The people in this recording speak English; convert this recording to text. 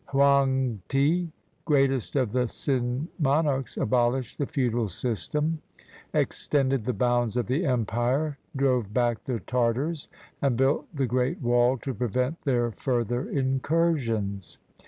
Hoangti, greatest of the Tsin monarchs, abolished the feudal system, extended the bounds of the empire, drove back the Tartars, and built the Great Wall to pre\^ent their further incursions.